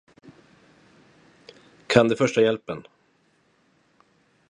Kan du första hjälpen?